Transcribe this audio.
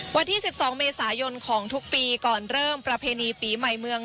วันที่๑๒เมษายนของทุกปีก่อนเริ่มประเพณีปีใหม่เมือง